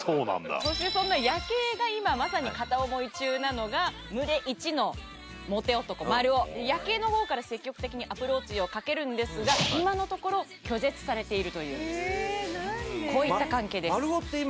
そしてそんなヤケイが今まさに片思い中なのが群れイチのモテ男マルオヤケイの方から積極的にアプローチをかけるんですがされているというんですこういった関係です